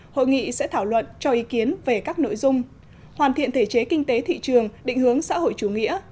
hội nghị sẽ thảo luận cho ý kiến về các nội dung hoàn thiện thể chế kinh tế thị trường định hướng xã hội chủ nghĩa